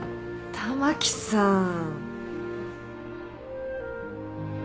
たまきさん。